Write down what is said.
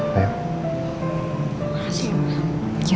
terima kasih ma